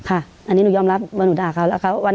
อันนี้หนูยอมรับว่าหนูด่าเขาแล้ว